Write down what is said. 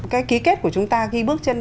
cái ký kết của chúng ta khi bước chân